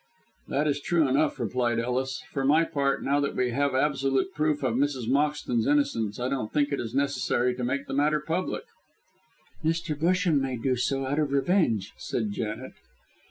"That is true enough," replied Ellis. "For my part, now that we have absolute proof of Mrs. Moxton's innocence, I don't think it is necessary to make the matter public." "Mr. Busham may do so, out of revenge," said Janet.